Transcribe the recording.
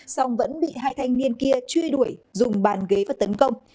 song vẫn bị hai thanh niên kia truy đuổi dùng bàn ghế và tấn công